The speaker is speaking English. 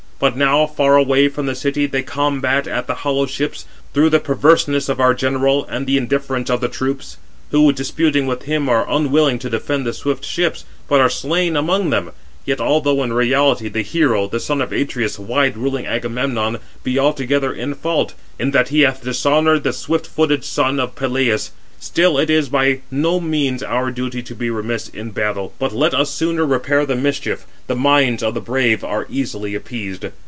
But now, far away from the city, they combat at the hollow ships, through the perverseness of our general, and the indifference of the troops; who, disputing with him, are unwilling to defend the swift ships, but are slain among them. Yet although in reality the hero, the son of Atreus, wide ruling Agamemnon, be altogether in fault, in that he hath dishonoured the swift footed son of Peleus, still it is by no means our duty to be remiss in battle, but let us the sooner repair [the mischief]; 415 the minds of the brave are easily appeased.